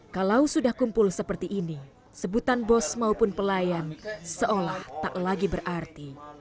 kalau sudah kumpul seperti ini sebutan bos maupun pelayan seolah tak lagi berarti